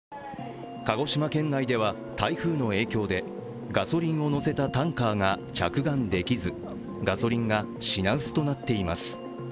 鹿児島県内では、台風の影響でガソリンを載せたタンカーが着岸できずガソリンが品薄となっています。